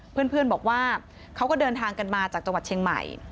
เพื่อนบอกว่าเขาก็เดินทางกันมาจากจังหวัดเชียงใหม่